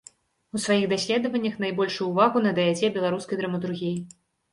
У сваіх даследаваннях найбольшую ўвагу надаяце беларускай драматургіі.